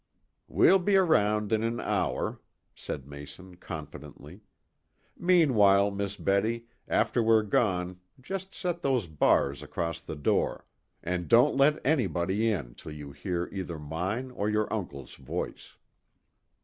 "We'll be around in an hour," said Mason confidently "Meanwhile, Miss Betty, after we're gone, just set those bars across the door. And don't let anybody in till you hear either mine or your uncle's voice."